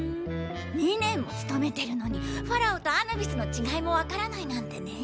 ２年も勤めてるのにファラオとアヌビスの違いもわからないなんてね。